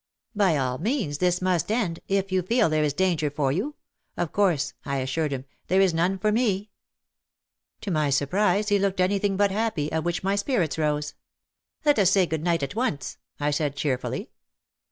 "By all means this must end, if you feel there is danger for you. Of course," I assured him, "there is none for me. To my surprise he looked anything but happy, at which my spirits rose. "Let us say good night at once," I said cheerfully.